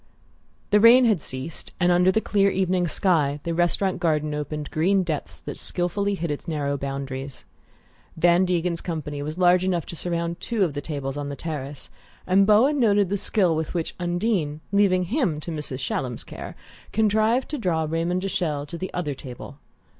The rain had ceased, and under the clear evening sky the restaurant garden opened green depths that skilfully hid its narrow boundaries. Van Degen's company was large enough to surround two of the tables on the terrace, and Bowen noted the skill with which Undine, leaving him to Mrs. Shallum's care, contrived to draw Raymond de Chelles to the other table.